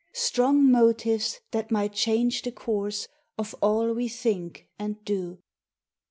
269 Strong motives that might change the course Of all we think and do.